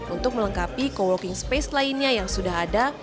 untuk melengkapi co working space lainnya yang sudah ada